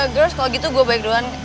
girls kalo gitu gue balik duluan